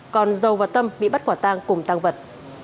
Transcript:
còn dầu và tâm bị bắt quả tang cùng tăng vật